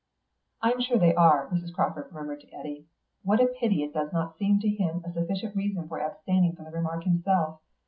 "I am sure they are," Mrs. Crawford murmured to Eddy. "What a pity it does not seem to him a sufficient reason for abstaining from the remark himself.